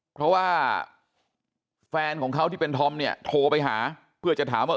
เพราะว่าแฟนของเขาที่เป็นธอมเนี่ยโทรไปหาเพื่อจะถามว่า